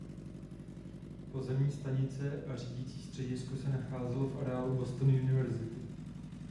Pozemní stanice a řídicí středisko se nacházelo v areálu Boston University.